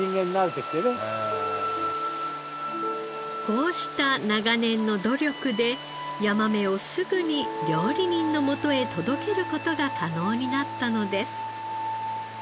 こうした長年の努力でヤマメをすぐに料理人の元へ届ける事が可能になったのです。